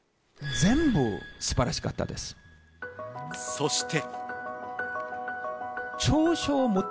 そして。